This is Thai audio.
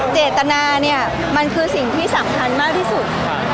เจตนาเนี่ยมันคือสิ่งที่สำคัญมากที่สุด